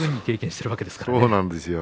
そうなんですよ。